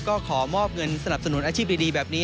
ก็ขอมอบเงินสนับสนุนอาชีพดีแบบนี้